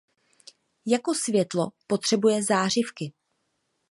Jako světlo potřebuje zářivky.